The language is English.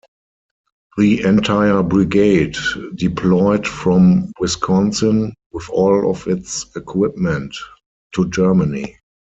The entire brigade deployed from Wisconsin, with all of its equipment, to Germany.